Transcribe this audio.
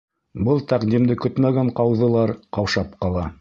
Был тәҡдимде көтмәгән ҡауҙылар ҡаушап ҡала.